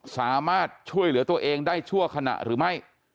สามารถช่วยเหลือตัวเองได้ชั่วขณะหรือไม่